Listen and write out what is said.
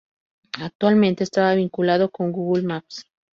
Actualmente está vinculado con "Google Maps".